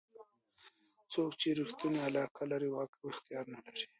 څوک چې ریښتونې علاقه لري واک او اختیار نه لري.